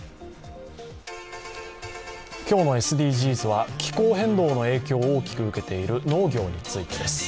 今日のＳＤＧｓは気候変動の影響を大きく受けている農業についてです。